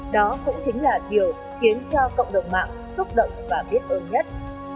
đó cũng chính là điều khiến cho cộng đồng mạng xúc động và biết ơn nhất